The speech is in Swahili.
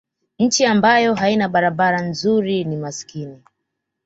nchi ambayo haina barabara nzuri ni masikini